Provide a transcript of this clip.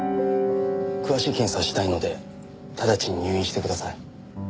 詳しい検査をしたいので直ちに入院してください。